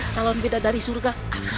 calon beda dari surga